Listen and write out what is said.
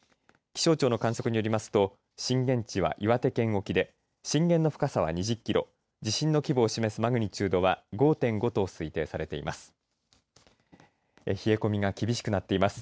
気象庁の観測によりますと震源地は岩手県沖で震源の深さは２０キロ地震の規模を示すマグニチュードは５．５と推定されています。